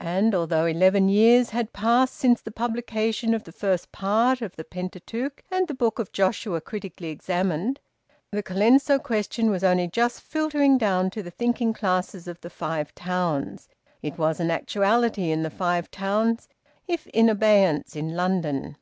And, although eleven years had passed since the publication of the first part of "The Pentateuch and the Book of Joshua Critically Examined," the Colenso question was only just filtering down to the thinking classes of the Five Towns; it was an actuality in the Five Towns, if in abeyance in London.